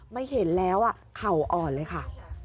ไม่เห็นแล้วเข่าอ่อนเลยค่ะ